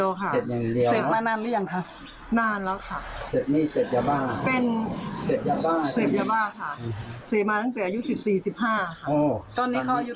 โอ้ตอนนี้อาจจะอายุขึ้นที่อะไร